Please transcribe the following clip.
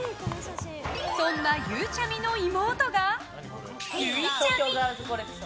そんなゆうちゃみの妹がゆいちゃみ！